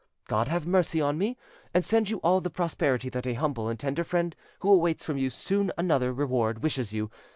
God have mercy on me, and send you all the prosperity that a humble and tender friend who awaits from you soon another reward wishes you.